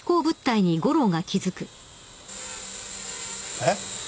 ・えっ？